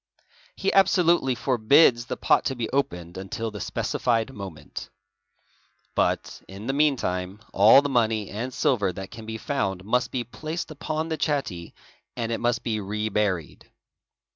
He absolutely forbids the pot — to be opened until the specified moment. But in the meantime all the money and silver that can be found must be placed upon the chatty and it must be reburied.